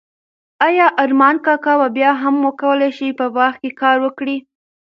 ایا ارمان کاکا به بیا هم وکولای شي په باغ کې کار وکړي؟